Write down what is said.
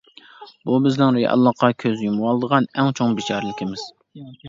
بۇ بىزنىڭ رېئاللىققا كۆز يۇمۇۋالىدىغان ئەڭ چوڭ بىچارىلىكىمىز!